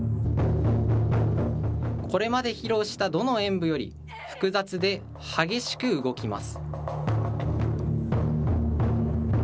これまで披露したどの演舞より、複雑で激しく動きます。